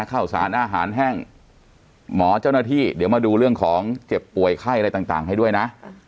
ข้าวสารอาหารแห้งหมอเจ้าหน้าที่เดี๋ยวมาดูเรื่องของเจ็บป่วยไข้อะไรต่างให้ด้วยนะ